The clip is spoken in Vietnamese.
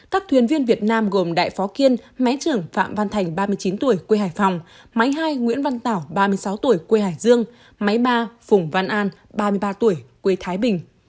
các thuyền viên việt nam gồm đại phó kiên máy trưởng phạm văn thành ba mươi chín tuổi quê hải phòng máy hai nguyễn văn tảo ba mươi sáu tuổi quê hải dương máy ba phùng văn an ba mươi ba tuổi quê thái bình